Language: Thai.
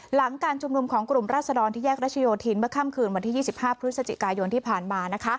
หลังการชุมนุมของกลุ่มราศดรที่แยกรัชโยธินเมื่อค่ำคืนวันที่๒๕พฤศจิกายนที่ผ่านมา